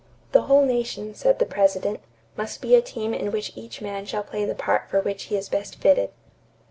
"The whole nation," said the President, "must be a team in which each man shall play the part for which he is best fitted."